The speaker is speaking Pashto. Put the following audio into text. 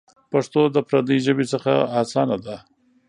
پښتو د پردۍ ژبې څخه اسانه ده.